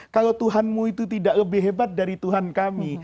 kalau tuhanmu itu tidak lebih hebat dari tuhan kami